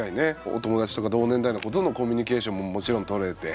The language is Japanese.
お友達とか同年代の子とのコミュニケーションももちろんとれて。